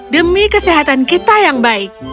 demi kesehatan kita yang baik